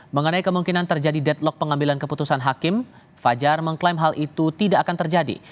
mengenai kemungkinan terjadi deadlock pengambilan keputusan hakim fajar mengklaim hal itu tidak akan terjadi